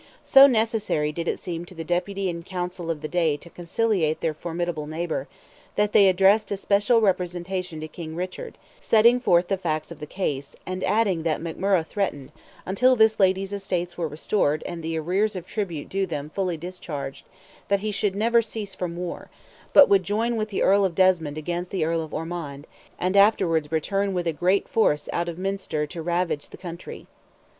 So necessary did it seem to the Deputy and Council of the day to conciliate their formidable neighbour, that they addressed a special representation to King Richard, setting forth the facts of the case, and adding that McMurrogh threatened, until this lady's estates were restored and the arrears of tribute due to him fully discharged, he should never cease from war, "but would join with the Earl of Desmond against the Earl of Ormond, and afterwards return with a great force out of Munster to ravage the country."